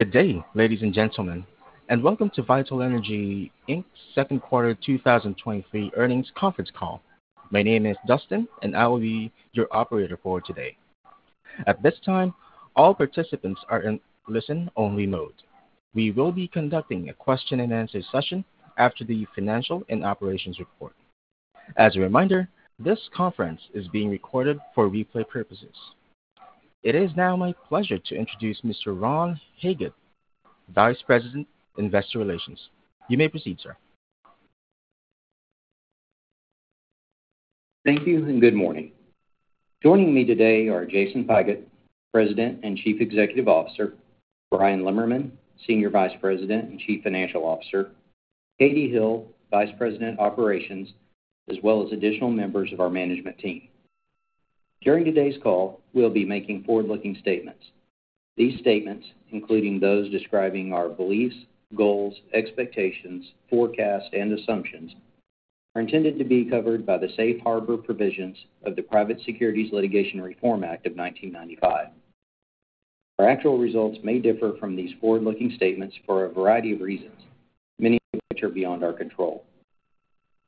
Good day, ladies and gentlemen, welcome to Vital Energy Inc.'s second quarter 2023 earnings conference call. My name is Dustin, I will be your operator for today. At this time, all participants are in listen-only mode. We will be conducting a question-and-answer session after the financial and operations report. As a reminder, this conference is being recorded for replay purposes. It is now my pleasure to introduce Mr. Ron Hagood, Vice President, Investor Relations. You may proceed, sir. Thank you, good morning. Joining me today are Jason Pigott, President and Chief Executive Officer, Bryan Lemmerman, Senior Vice President and Chief Financial Officer, Katie Hill, Vice President, Operations, as well as additional members of our management team. During today's call, we'll be making forward-looking statements. These statements, including those describing our beliefs, goals, expectations, forecasts, and assumptions, are intended to be covered by the safe harbor provisions of the Private Securities Litigation Reform Act of 1995. Our actual results may differ from these forward-looking statements for a variety of reasons, many of which are beyond our control.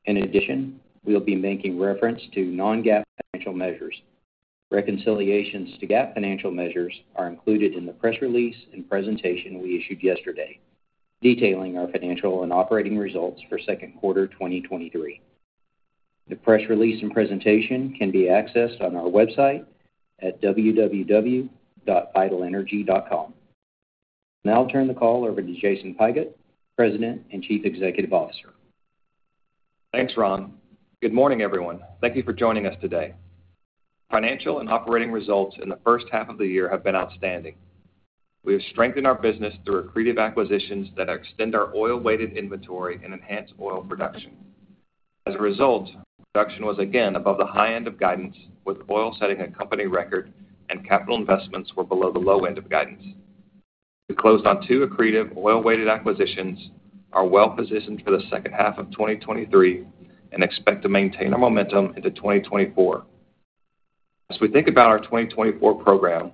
In addition, we will be making reference to non-GAAP financial measures. Reconciliations to GAAP financial measures are included in the press release and presentation we issued yesterday, detailing our financial and operating results for second quarter 2023. The press release and presentation can be accessed on our website at www.vitalenergy.com. Now I'll turn the call over to Jason Pigott, President and Chief Executive Officer. Thanks, Ron. Good morning, everyone. Thank you for joining us today. Financial and operating results in the first half of the year have been outstanding. We have strengthened our business through accretive acquisitions that extend our oil-weighted inventory and enhance oil production. As a result, production was again above the high end of guidance, with oil setting a company record and capital investments were below the low end of guidance. We closed on 2 accretive oil-weighted acquisitions, are well-positioned for the second half of 2023, and expect to maintain our momentum into 2024. As we think about our 2024 program,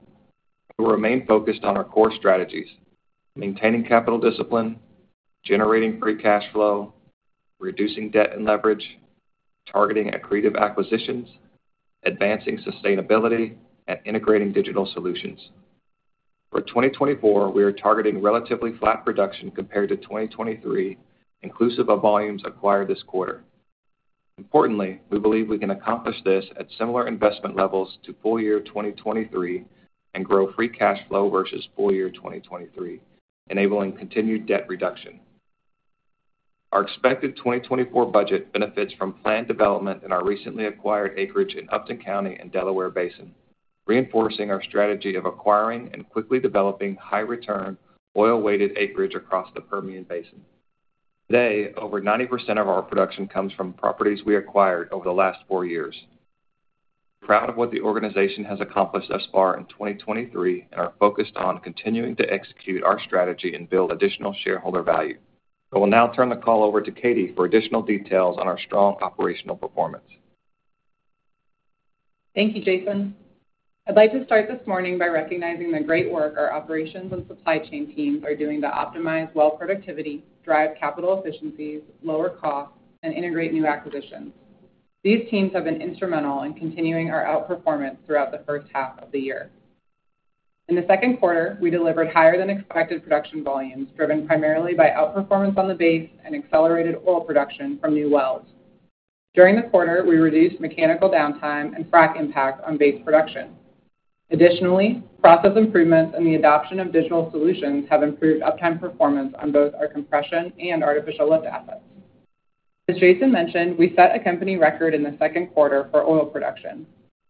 we remain focused on our core strategies: maintaining capital discipline, generating free cash flow, reducing debt and leverage, targeting accretive acquisitions, advancing sustainability, and integrating digital solutions. For 2024, we are targeting relatively flat production compared to 2023, inclusive of volumes acquired this quarter. Importantly, we believe we can accomplish this at similar investment levels to full year 2023 and grow free cash flow versus full year 2023, enabling continued debt reduction. Our expected 2024 budget benefits from planned development in our recently acquired acreage in Upton County and Delaware Basin, reinforcing our strategy of acquiring and quickly developing high-return oil-weighted acreage across the Permian Basin. Today, over 90% of our production comes from properties we acquired over the last 4 years. We're proud of what the organization has accomplished thus far in 2023 and are focused on continuing to execute our strategy and build additional shareholder value. I will now turn the call over to Katie for additional details on our strong operational performance. Thank you, Jason. I'd like to start this morning by recognizing the great work our operations and supply chain teams are doing to optimize well productivity, drive capital efficiencies, lower costs, and integrate new acquisitions. These teams have been instrumental in continuing our outperformance throughout the first half of the year. In the second quarter, we delivered higher than expected production volumes, driven primarily by outperformance on the base and accelerated oil production from new wells. During the quarter, we reduced mechanical downtime and frac impact on base production. Additionally, process improvements and the adoption of digital solutions have improved uptime performance on both our compression and artificial lift assets. As Jason mentioned, we set a company record in the second quarter for oil production.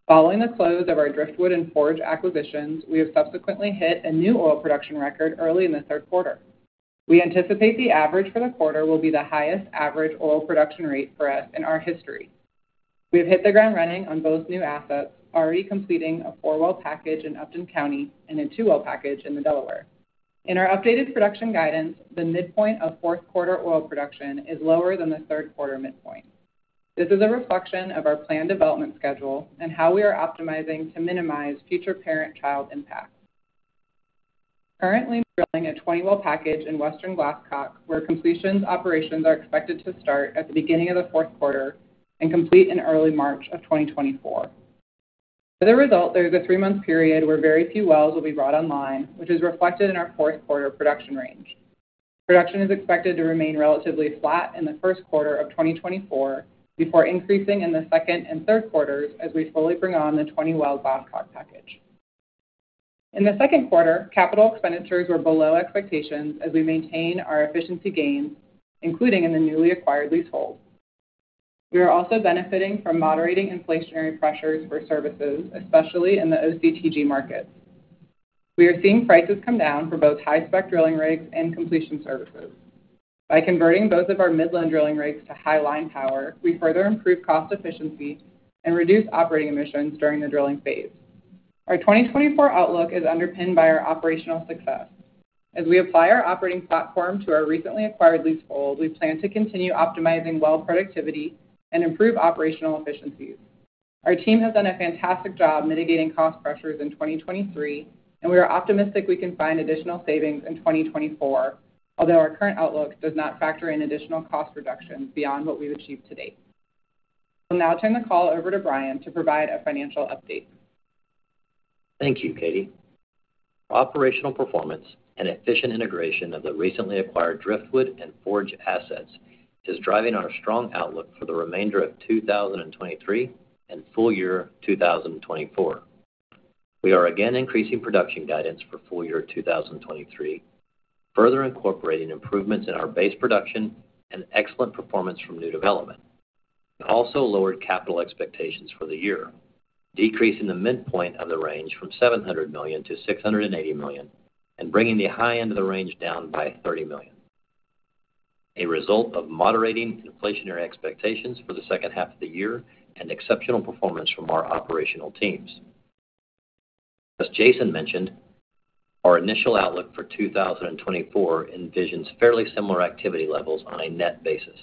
Following the close of our Driftwood and Forge acquisitions, we have subsequently hit a new oil production record early in the third quarter. We anticipate the average for the quarter will be the highest average oil production rate for us in our history. We have hit the ground running on both new assets, already completing a 4-well package in Upton County and a 2-well package in the Delaware. In our updated production guidance, the midpoint of fourth quarter oil production is lower than the third quarter midpoint. This is a reflection of our planned development schedule and how we are optimizing to minimize future parent-child impact. Currently, drilling a 20-well package in Western Glasscock, where completions operations are expected to start at the beginning of the fourth quarter and complete in early March of 2024. As a result, there is a 3-month period where very few wells will be brought online, which is reflected in our fourth quarter production range. Production is expected to remain relatively flat in the 1st quarter of 2024, before increasing in the 2nd and 3rd quarters as we fully bring on the 20-well Glasscock package. In the 2nd quarter, capital expenditures were below expectations as we maintain our efficiency gains, including in the newly acquired leasehold. We are also benefiting from moderating inflationary pressures for services, especially in the OCTG markets. We are seeing prices come down for both high-spec drilling rigs and completion services. By converting both of our Midland drilling rigs to High Line power, we further improve cost efficiency and reduce operating emissions during the drilling phase. Our 2024 outlook is underpinned by our operational success. As we apply our operating platform to our recently acquired leasehold, we plan to continue optimizing well productivity and improve operational efficiencies....Our team has done a fantastic job mitigating cost pressures in 2023. We are optimistic we can find additional savings in 2024, although our current outlook does not factor in additional cost reductions beyond what we've achieved to date. I'll now turn the call over to Bryan to provide a financial update. Thank you, Katie. Operational performance and efficient integration of the recently acquired Driftwood and Forge assets is driving our strong outlook for the remainder of 2023 and full year 2024. We are again increasing production guidance for full year 2023, further incorporating improvements in our base production and excellent performance from new development. We also lowered capital expectations for the year, decreasing the midpoint of the range from $700 million to $680 million and bringing the high end of the range down by $30 million, a result of moderating inflationary expectations for the second half of the year and exceptional performance from our operational teams. As Jason mentioned, our initial outlook for 2024 envisions fairly similar activity levels on a net basis,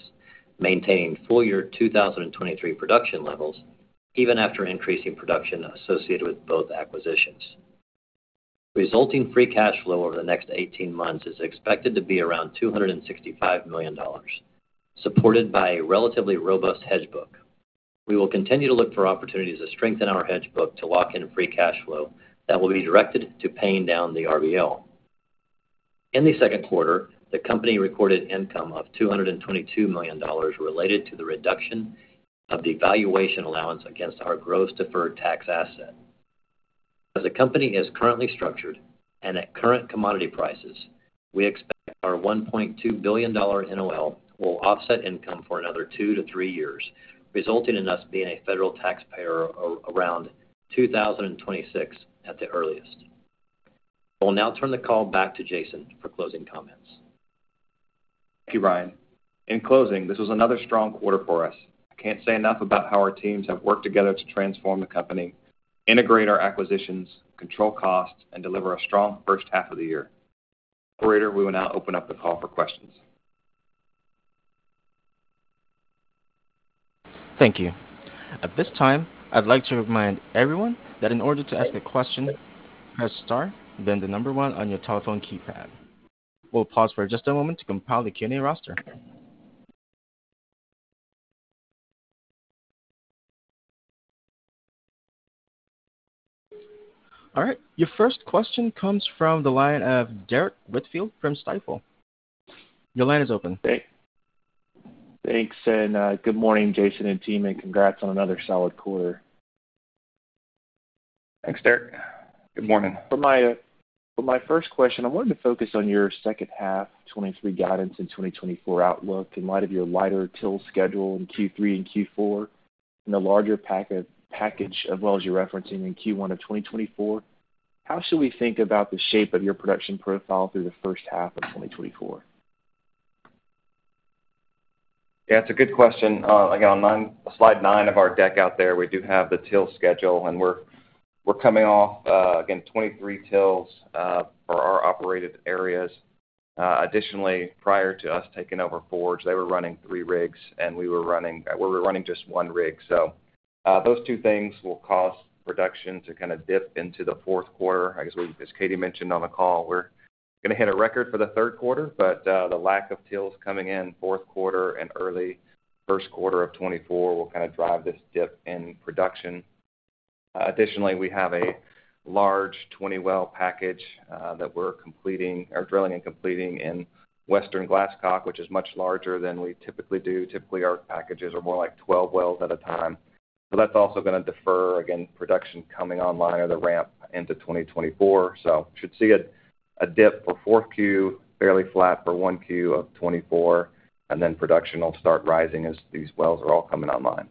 maintaining full year 2023 production levels, even after increasing production associated with both acquisitions. Resulting free cash flow over the next 18 months is expected to be around $265 million, supported by a relatively robust hedge book. We will continue to look for opportunities to strengthen our hedge book to lock in free cash flow that will be directed to paying down the RBL. In the second quarter, the company recorded income of $222 million related to the reduction of the valuation allowance against our gross deferred tax asset. As the company is currently structured and at current commodity prices, we expect our $1.2 billion NOL will offset income for another 2 to 3 years, resulting in us being a federal taxpayer around 2026 at the earliest. I will now turn the call back to Jason for closing comments. Thank you, Bryan. In closing, this was another strong quarter for us. I can't say enough about how our teams have worked together to transform the company, integrate our acquisitions, control costs, and deliver a strong first half of the year. Operator, we will now open up the call for questions. Thank you. At this time, I'd like to remind everyone that in order to ask a question, press Star, then the number 1 on your telephone keypad. We'll pause for just a moment to compile the Q&A roster. All right, your first question comes from the line of Derrick Whitfield from Stifel. Your line is open. Hey. Thanks, and good morning, Jason and team, and congrats on another solid quarter. Thanks, Derrick. Good morning. For my, for my first question, I wanted to focus on your second half 2023 guidance and 2024 outlook. In light of your lighter till schedule in Q3 and Q4 and the larger package of wells you're referencing in Q1 of 2024, how should we think about the shape of your production profile through the first half of 2024? Yeah, it's a good question. Again, on 9-- slide 9 of our deck out there, we do have the till schedule, and we're, we're coming off, again, 23 tills, for our operated areas. Additionally, prior to us taking over Forge, they were running 3 rigs, and we were running-- we were running just 1 rig. Those two things will cause production to kind of dip into the fourth quarter. I guess, as, as Katie mentioned on the call, we're gonna hit a record for the third quarter, the lack of tills coming in fourth quarter and early 1st quarter of 2024 will kind of drive this dip in production. Additionally, we have a large 20-well package that we're completing or drilling and completing in Western Glasscock, which is much larger than we typically do. Typically, our packages are more like 12 wells at a time, but that's also gonna defer, again, production coming online or the ramp into 2024. Should see a, a dip for 4Q, fairly flat for 1Q of 2024, and then production will start rising as these wells are all coming online.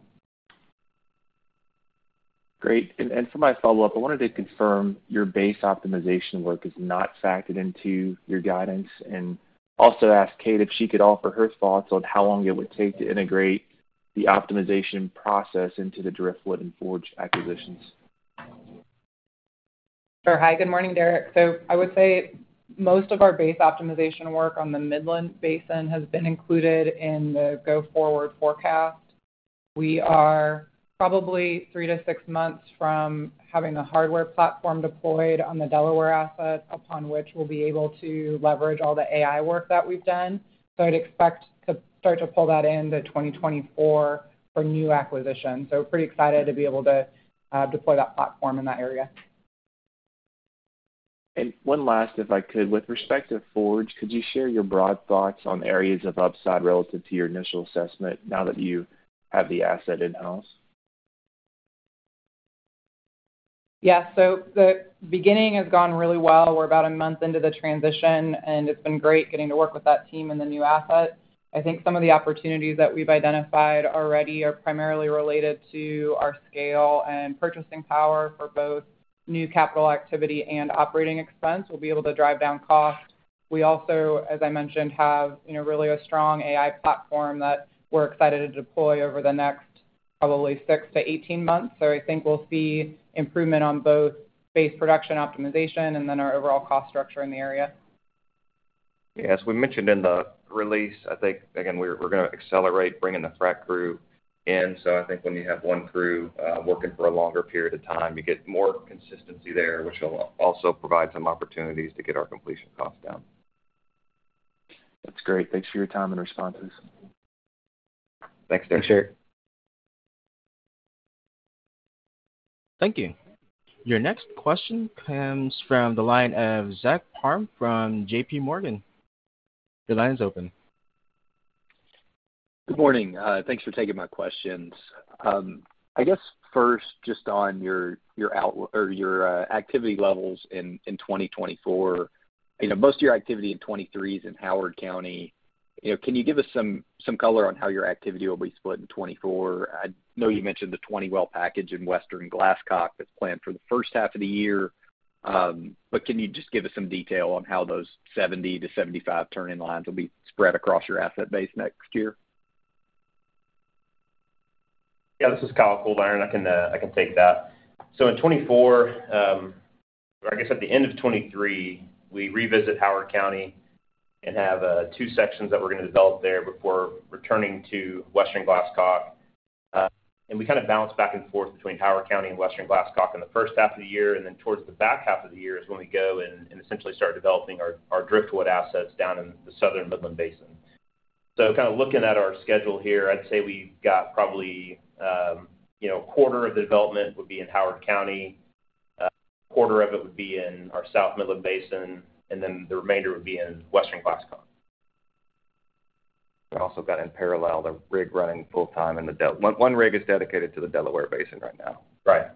Great. And for my follow-up, I wanted to confirm your base optimization work is not factored into your guidance and also ask Katie if she could offer her thoughts on how long it would take to integrate the optimization process into the Driftwood and Forge acquisitions? Sure. Hi, good morning, Derrick. I would say most of our base optimization work on the Midland Basin has been included in the go-forward forecast. We are probably three to six months from having the hardware platform deployed on the Delaware asset, upon which we'll be able to leverage all the AI work that we've done. I'd expect to start to pull that into 2024 for new acquisitions. Pretty excited to be able to deploy that platform in that area. One last, if I could. With respect to Forge, could you share your broad thoughts on areas of upside relative to your initial assessment now that you have the asset in-house? Yeah. The beginning has gone really well. We're about a month into the transition, and it's been great getting to work with that team and the new assets. I think some of the opportunities that we've identified already are primarily related to our scale and purchasing power for both new capital activity and operating expense. We'll be able to drive down cost. We also, as I mentioned, have, you know, really a strong AI platform that we're excited to deploy over the next probably 6-18 months. I think we'll see improvement on both base production optimization and then our overall cost structure in the area. Yeah, as we mentioned in the release, I think, again, we're gonna accelerate bringing the frac crew in. I think when you have 1 crew working for a longer period of time, you get more consistency there, which will also provide some opportunities to get our completion costs down. That's great. Thanks for your time and responses. Thanks, Nick. Thanks, sure. Thank you. Your next question comes from the line of Zach Parham from JP Morgan. Your line is open. Good morning. Thanks for taking my questions. I guess first, just on your activity levels in 2024, you know, most of your activity in 2023 is in Howard County. You know, can you give us some color on how your activity will be split in 2024? I know you mentioned the 20-well package in Western Glasscock that's planned for the first half of the year, but can you just give us some detail on how those 70-75 turn-in-lines will be spread across your asset base next year? Yeah, this is Kyle Coldiron. I can, I can take that. In 2024, or I guess at the end of 2023, we revisit Howard County and have 2 sections that we're gonna develop there before returning to Western Glasscock. We kinda bounce back and forth between Howard County and Western Glasscock in the first half of the year, and then towards the back half of the year is when we go and, and essentially start developing our, our Driftwood assets down in the Southern Midland Basin. Kinda looking at our schedule here, I'd say we've got probably, you know, a quarter of the development would be in Howard County, quarter of it would be in our South Midland Basin, and then the remainder would be in Western Glasscock. We've also got, in parallel, the rig running full time, and one rig is dedicated to the Delaware Basin right now. Right.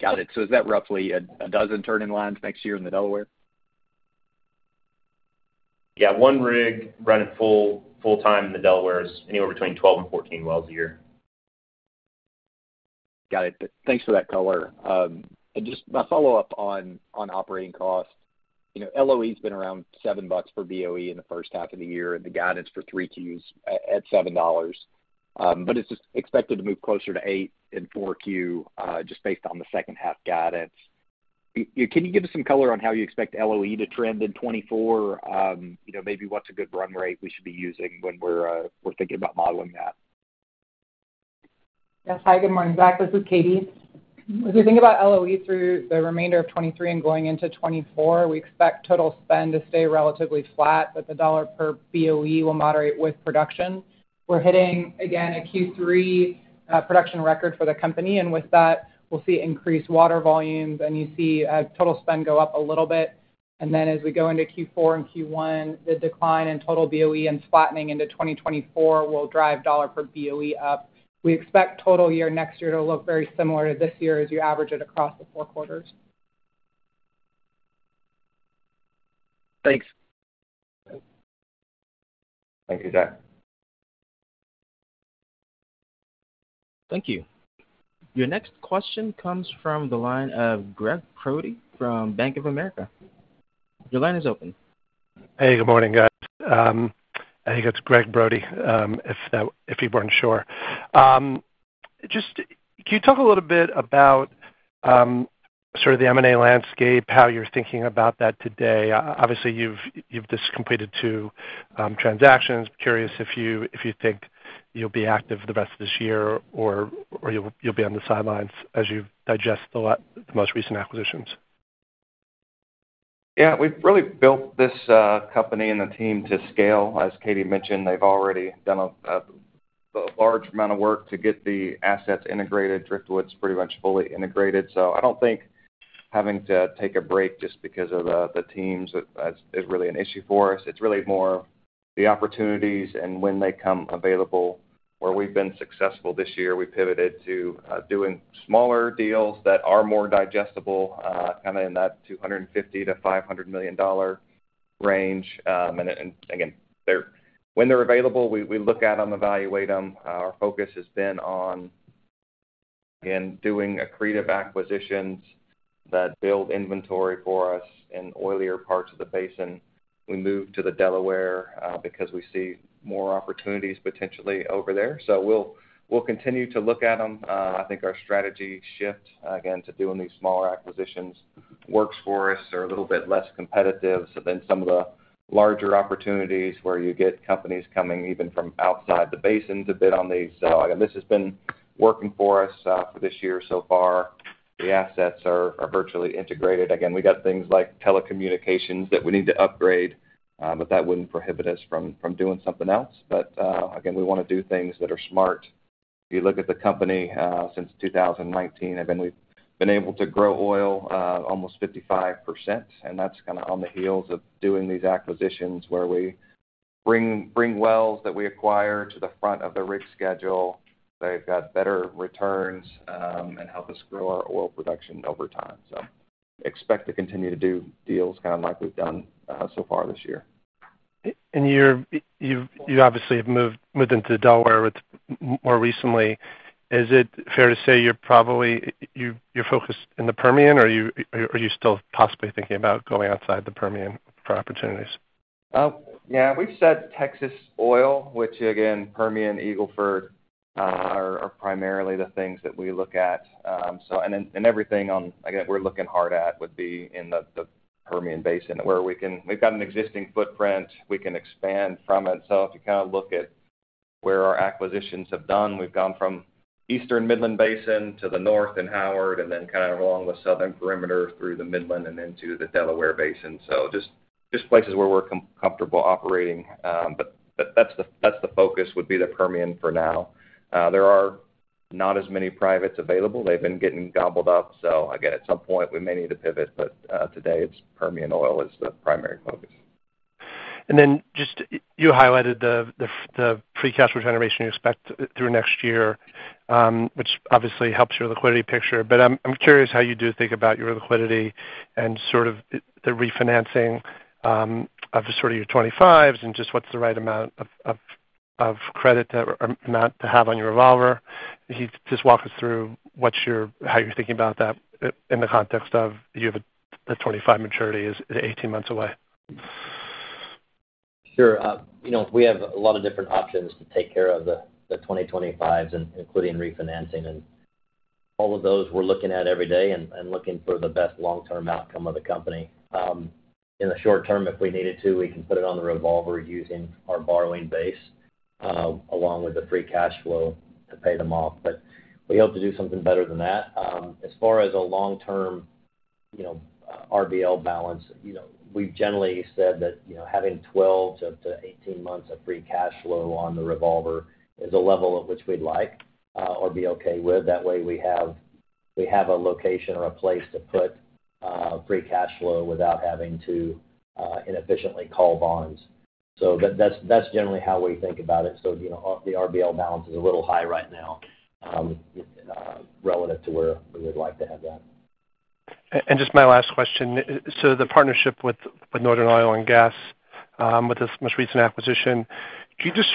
Got it. Is that roughly 12 turn-in-lines 2024 in the Delaware? Yeah, 1 rig running full, full time in the Delaware is anywhere between 12 and 14 wells a year. Got it. Thanks for that color. And just my follow-up on, on operating costs. You know, LOE's been around $7 per BOE in the first half of the year, and the guidance for 3Q is at, at $7. But it's just expected to move closer to $8 in 4Q, just based on the second half guidance. Can you give us some color on how you expect LOE to trend in 2024? You know, maybe what's a good run rate we should be using when we're, we're thinking about modeling that? Yes. Hi, good morning, Zach, this is Katie. As we think about LOE through the remainder of 2023 and going into 2024, we expect total spend to stay relatively flat, but the dollar per BOE will moderate with production. We're hitting, again, a Q3 production record for the company, and with that, we'll see increased water volumes, and you see total spend go up a little bit. As we go into Q4 and Q1, the decline in total BOE and flattening into 2024 will drive dollar per BOE up. We expect total year next year to look very similar to this year as you average it across the four quarters. Thanks. Thank you, Zach. Thank you. Your next question comes from the line of Gregg Brody from Bank of America. Your line is open. Hey, good morning, guys. I think it's Gregg Brody, if you weren't sure. Just, can you talk a little bit about, sort of the M&A landscape, how you're thinking about that today? Obviously, you've, you've just completed 2, transactions. Curious if you, if you think you'll be active for the rest of this year or, or you'll, you'll be on the sidelines as you digest the most recent acquisitions. Yeah, we've really built this company and the team to scale. As Katie mentioned, they've already done a large amount of work to get the assets integrated. Driftwood's pretty much fully integrated, so I don't think having to take a break just because of the teams is really an issue for us. It's really more the opportunities and when they come available. Where we've been successful this year, we pivoted to doing smaller deals that are more digestible in that $250 million-$500 million range. Again, when they're available, we look at them, evaluate them. Our focus has been on, again, doing accretive acquisitions that build inventory for us in oilier parts of the basin. We moved to the Delaware because we see more opportunities potentially over there. We'll, we'll continue to look at them. I think our strategy shift, again, to doing these smaller acquisitions works for us, they're a little bit less competitive than some of the larger opportunities, where you get companies coming, even from outside the basins, a bit on these. This has been working for us, for this year so far. The assets are, are virtually integrated. Again, we got things like telecommunications that we need to upgrade, but that wouldn't prohibit us from, from doing something else. Again, we wanna do things that are smart. If you look at the company, since 2019, I mean, we've been able to grow oil, almost 55%, and that's kinda on the heels of doing these acquisitions, where we bring, bring wells that we acquire to the front of the rig schedule. They've got better returns, and help us grow our oil production over time. Expect to continue to do deals kind of like we've done, so far this year. You're, you've, you obviously have moved, moved into Delaware with more recently. Is it fair to say you're probably you're focused in the Permian, or you, are, or you still possibly thinking about going outside the Permian for opportunities? Yeah, we've said Texas oil, which again, Permian, Eagle Ford, are, are primarily the things that we look at. And then, and everything on, again, we're looking hard at would be in the, the Permian Basin, where we can we've got an existing footprint we can expand from it. If you kind of look at where our acquisitions have done, we've gone from eastern Midland Basin to the north in Howard, and then kind of along the southern perimeter through the Midland and into the Delaware Basin. Just, just places where we're comfortable operating. But, but that's the, that's the focus, would be the Permian for now. There are not as many privates available. They've been getting gobbled up, so again, at some point, we may need to pivot, but today, it's Permian Oil is the primary focus. Then just, you highlighted the free cash flow generation you expect through next year, which obviously helps your liquidity picture. I'm curious how you do think about your liquidity and sort of the refinancing of the sort of your 2025s, and just what's the right amount of credit or amount to have on your revolver. Can you just walk us through how you're thinking about that in the context of you have the 25 maturity is 18 months away? Sure. You know, we have a lot of different options to take care of the 2025s, including refinancing. All of those we're looking at every day and, and looking for the best long-term outcome of the company. In the short term, if we needed to, we can put it on the revolver using our borrowing base, along with the free cash flow to pay them off. We hope to do something better than that. As far as a long-term, you know, RBL balance, you know, we've generally said that, you know, having 12 to 18 months of free cash flow on the revolver is a level at which we'd like, or be okay with. That way, we have, we have a location or a place to put free cash flow without having to inefficiently call bonds. That's, that's generally how we think about it. You know, the RBL balance is a little high right now, relative to where we would like to have that. Just my last question. The partnership with, with Northern Oil and Gas, with this most recent acquisition, could you just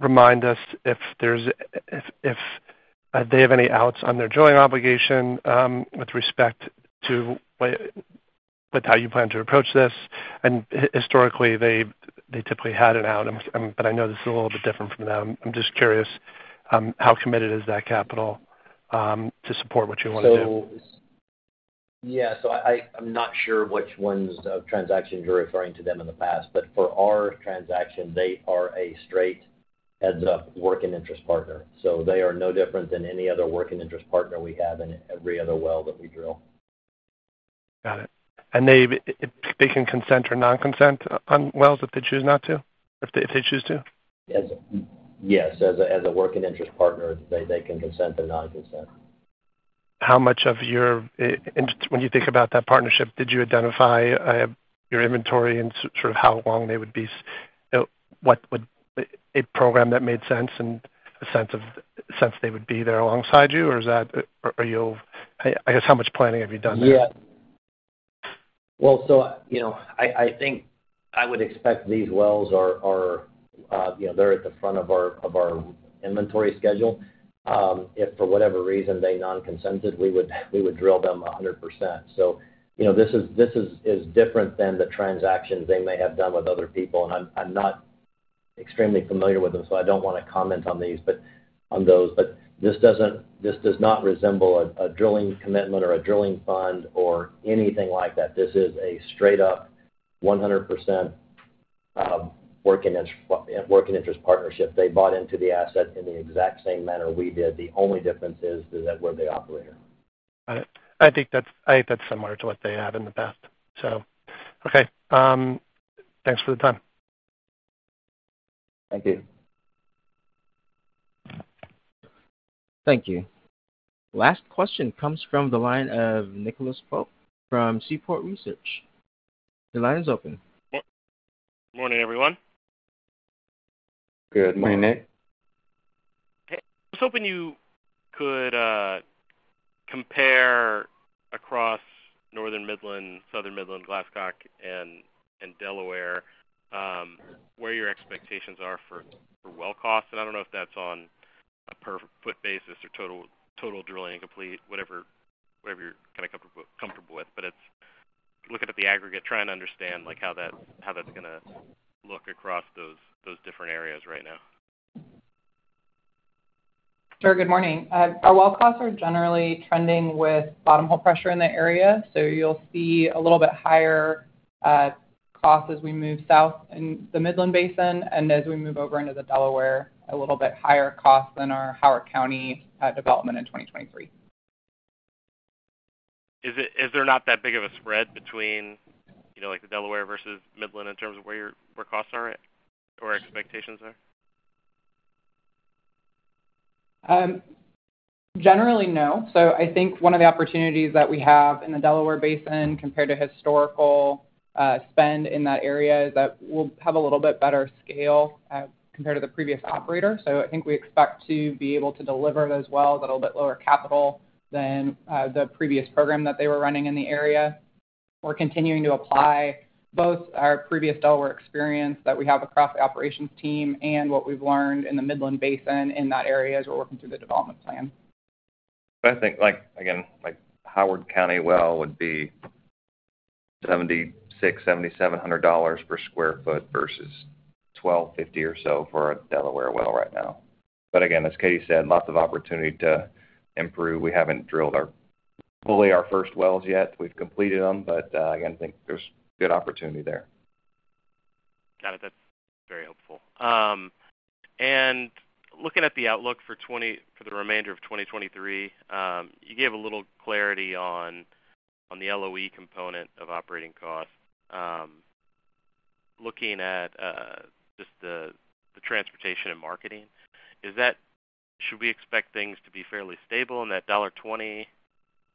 remind us if there's, if, if they have any outs on their joint obligation, with respect to with how you plan to approach this? Historically, they, they typically had an out, but I know this is a little bit different from them. I'm just curious, how committed is that capital, to support what you want to do? Yeah. I, I'm not sure which ones of transactions you're referring to them in the past, but for our transaction, they are a straight heads-up working interest partner. They are no different than any other working interest partner we have in every other well that we drill. Got it. They can consent or non-consent on wells if they choose not to, if, if they choose to? Yes. Yes, as a, as a working interest partner, they, they can consent or non-consent. How much of your... When you think about that partnership, did you identify your inventory and sort of how long they would be, what would a program that made sense and sense they would be there alongside you? Or is that, I, I guess, how much planning have you done there? Yeah. Well, so, you know, I, I think I would expect these wells are, are, you know, they're at the front of our, of our inventory schedule. If for whatever reason, they non-consented, we would, we would drill them 100%. You know, this is, this is, is different than the transactions they may have done with other people. I'm, I'm not extremely familiar with them, so I don't want to comment on these, on those. This doesn't, this does not resemble a, a drilling commitment or a drilling fund or anything like that. This is a straight-up 100%, working interest, working interest partnership. They bought into the asset in the exact same manner we did. The only difference is, is that we're the operator. Got it. I think that's similar to what they have in the past. Okay, thanks for the time. Thank you. Thank you. Last question comes from the line of Nicholas Pope from Seaport Research. Your line is open. Good morning, everyone. Good morning, Nick. Hey, I was hoping you could compare across Northern Midland, Southern Midland, Glasscock, and Delaware, where your expectations are for well costs. I don't know if that's on a per foot basis or total drilling complete, whatever you're kind of comfortable with. It's looking at the aggregate, trying to understand, like, how that's gonna look across those different areas right now. Sure. Good morning. Our well costs are generally trending with bottom hole pressure in the area, so you'll see a little bit higher costs as we move south in the Midland Basin, and as we move over into the Delaware, a little bit higher costs than our Howard County development in 2023. Is there not that big of a spread between, you know, like, the Delaware versus Midland in terms of where your, where costs are at or expectations are? Generally, no. I think one of the opportunities that we have in the Delaware Basin, compared to historical spend in that area, is that we'll have a little bit better scale compared to the previous operator. I think we expect to be able to deliver those wells at a little bit lower capital than the previous program that they were running in the area. We're continuing to apply both our previous Delaware experience that we have across the operations team and what we've learned in the Midland Basin in that area as we're working through the development plan.... I think, like, again, like Howard County well would be $7,600-$7,700 per sq ft versus $1,250 or so for a Delaware well right now. Again, as Katie said, lots of opportunity to improve. We haven't drilled our, fully our first wells yet. We've completed them, but, again, I think there's good opportunity there. Got it. That's very helpful. Looking at the outlook for twenty-- for the remainder of 2023, you gave a little clarity on, on the LOE component of operating costs. Looking at, just the, the transportation and marketing, is that-- should we expect things to be fairly stable in that $1.20?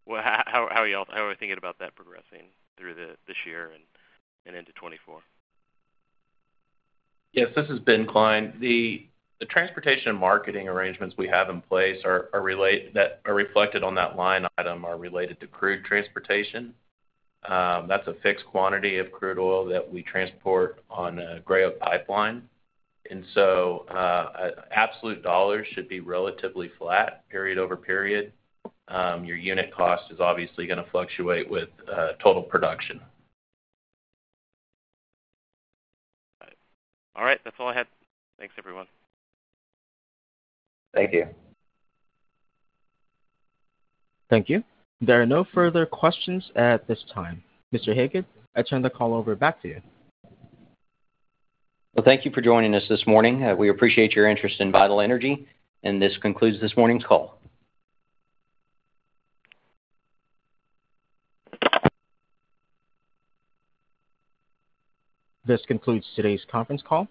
Well, how, how, how are y'all-- how are we thinking about that progressing through the, this year and, and into 2024? Yes, this is Ben Klein. The transportation and marketing arrangements we have in place that are reflected on that line item are related to crude transportation. That's a fixed quantity of crude oil that we transport on a Gray Oak Pipeline. Absolute dollars should be relatively flat period over period. Your unit cost is obviously gonna fluctuate with total production. All right. That's all I had. Thanks, everyone. Thank you. Thank you. There are no further questions at this time. Ron Hagood, I turn the call over back to you. Well, thank you for joining us this morning. We appreciate your interest in Vital Energy, and this concludes this morning's call. This concludes today's conference call.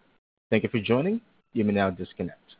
Thank you for joining. You may now disconnect.